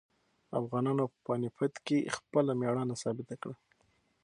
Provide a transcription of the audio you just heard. افغانانو په پاني پت کې خپله مېړانه ثابته کړه.